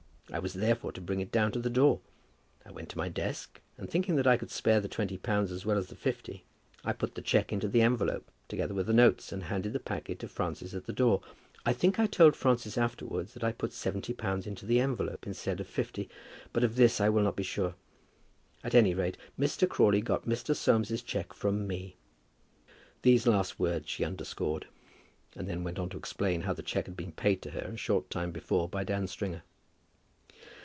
I was therefore to bring it down to the door. I went to my desk, and thinking that I could spare the twenty pounds as well as the fifty, I put the cheque into the envelope, together with the notes, and handed the packet to Francis at the door. I think I told Francis afterwards that I put seventy pounds into the envelope, instead of fifty, but of this I will not be sure. At any rate, Mr. Crawley got Mr. Soames's cheque from me." These last words she underscored, and then went on to explain how the cheque had been paid to her a short time before by Dan Stringer.